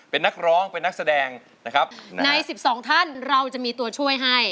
เป็นนักร้องเป็นนักแสดงนะครับในสิบสองท่านเราจะมีตัวช่วยให้